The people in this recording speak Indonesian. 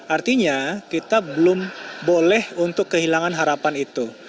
artinya kita belum boleh untuk kehilangan harapan itu